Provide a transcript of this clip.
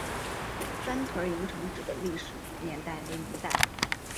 三屯营城址的历史年代为明代。